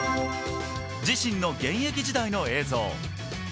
自身の現役時代の映像。